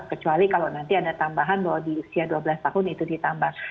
kecuali kalau nanti ada tambahan bahwa di usia dua belas tahun itu ditambah